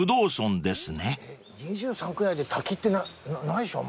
２３区内で滝ってないでしょ